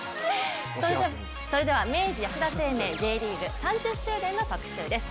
それでは明治安田生命Ｊリーグ、３０周年の特集です。